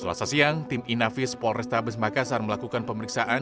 selasa siang tim inavis polrestabes makassar melakukan pemeriksaan